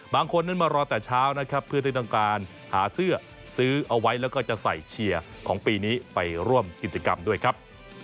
บางคนนั้นมารอแต่เช้านะครับเพื่อที่ต้องการหาเสื้อซื้อเอาไว้แล้วก็จะใส่เชียร์ของปีนี้ไปร่วมกิจกรรมด้วยครับ